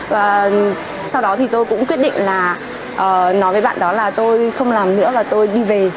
và sau đó thì tôi cũng quyết định là nói với bạn đó là tôi không làm nữa và tôi đi về